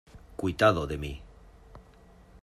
¡ cuitado de mí!